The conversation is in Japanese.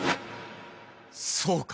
そうか。